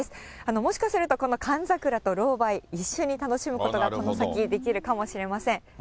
もしかするとこのカンザクラとロウバイ、一緒に楽しむことがこの先、できるかもしれません。